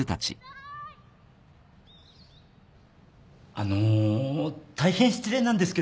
あの大変失礼なんですけど